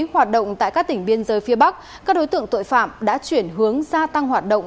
hoạt động tại các tỉnh biên giới phía bắc các đối tượng tội phạm đã chuyển hướng gia tăng hoạt động